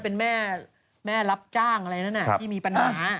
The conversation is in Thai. เป็นแม่แม่รับจ้างอะไรนั้นที่มีปัญหา